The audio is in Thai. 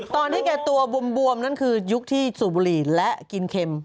ตอนที่แกตัวบวมนั่นคือยุคที่สูบบุหรี่และกินเค็ม